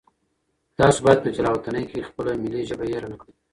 تاسو باید په جلاوطنۍ کې خپله ملي ژبه هېره نه کړئ.